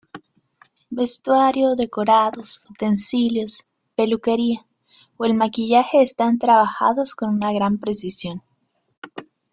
Vestuario, decorados, utensilios, peluquería o el maquillaje están trabajados con una gran precisión.